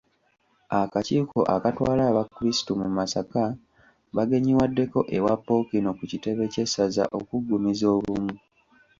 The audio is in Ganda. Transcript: Akakiiko akatwala abakrisitu mu Masaka bagenyiwaddeko ewa Ppookino ku kitebe kye ssaza okuggumizza obumu.